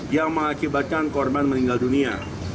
yang mengakibatkan korban meninggal dunia